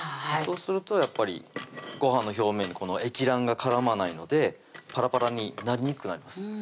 あはいそうするとやっぱりご飯の表面に液卵が絡まないのでパラパラになりにくくなります